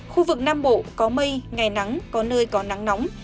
khu vực nam bộ có mây ngày nắng có nơi có nắng nóng